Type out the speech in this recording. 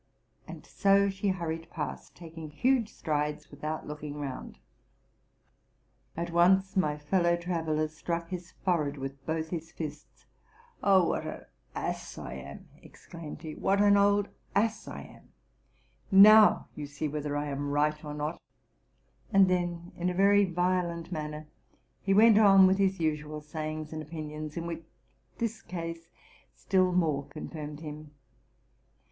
'' And so she hurried past, taking huge strides, without looking round. At once my fel low traveller struck his forehead with both his fists :'* Oh, what anass 1 am!'' exclaimed he, '* what an old ass Iam! Now, you see whether I am right or not.'' And then, in a very violent manner, he went on with his usual sayings and opinions, in which this case still more confirmed him.